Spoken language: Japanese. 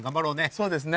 そうですね。